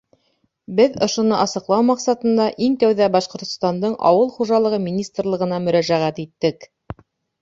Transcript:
Беҙ ошоно асыҡлау маҡсатында иң тәүҙә Башҡортостандың Ауыл хужалығы министрлығына мөрәжәғәт иттек.